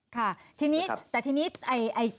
ค่ะทีนี้แต่ทีนี้